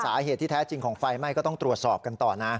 สาเหตุที่แท้จริงของไฟไหม้ก็ต้องตรวจสอบกันต่อนะ